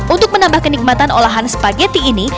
untuk menambah kenikmatan olahan spageti ini